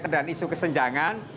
tidak ada isu kesenjangan